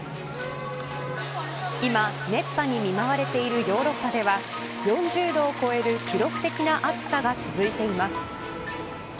今、熱波に見舞われているヨーロッパでは４０度を超える記録的な暑さが続いています。